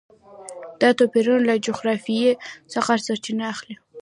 دا توپیرونه له جغرافیې څخه سرچینه اخلي.